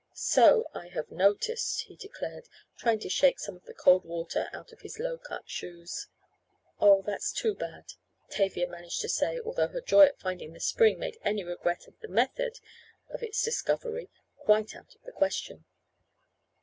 "So I have noticed," he declared, trying to shake some of the cold water out of his low cut shoes. "Oh, that's too bad," Tavia managed to say, although her joy at finding the spring made any regret at the method of its discovery quite out of the question.